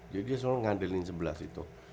jadi dia selalu ngandelin sebelah situ